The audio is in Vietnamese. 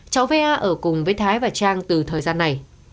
cháu vea ở cùng với thái và trang từ thời gian này